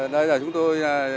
nơi này chúng tôi